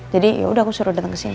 jadi ya udah aku suruh dateng ke sini